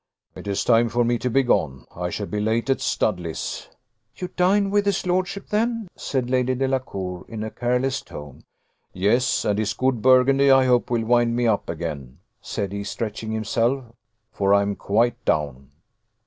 "It is time for me to be gone I shall be late at Studley's." "You dine with his lordship then?" said Lady Delacour, in a careless tone. "Yes; and his good burgundy, I hope, will wind me up again," said he, stretching himself, "for I am quite down."